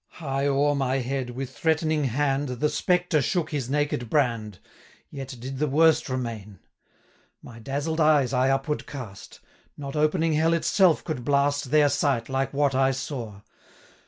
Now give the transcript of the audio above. High o'er my head, with threatening hand, 425 The spectre shook his naked brand, Yet did the worst remain: My dazzled eyes I upward cast, Not opening hell itself could blast Their sight, like what I saw!